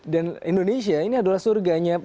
dan indonesia ini adalah surganya